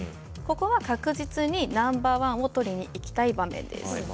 ここは確実にナンバーワンを取りにいきたい場面です。